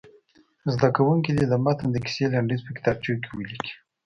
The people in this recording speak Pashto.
زده کوونکي دې د متن د کیسې لنډیز په کتابچو کې ولیکي.